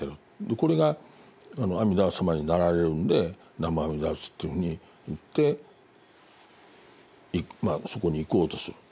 これが阿弥陀様になられるんで南無阿弥陀仏というふうに言ってまあそこに行こうとする。